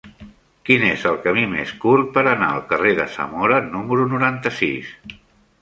Quin és el camí més curt per anar al carrer de Zamora número noranta-sis?